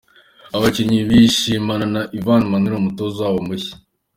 Abakinnyi bishimana na Ivan Minaert umutoza wabo mushya .